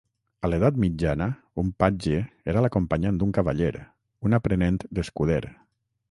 A l'edat mitjana, un patge era l'acompanyant d'un cavaller, un aprenent d'escuder.